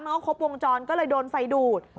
ว่าครบวงจรก็เลยโดนไฟดูด